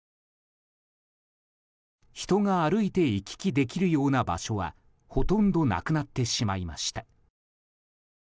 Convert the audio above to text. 人が歩いて行き来できるような場所はほとんどなくなってしまいました。